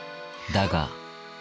だが。